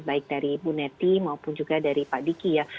baik dari bu neti maupun juga dari pak diki ya